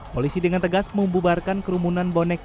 polisi dengan tegas membubarkan kerumunan bonek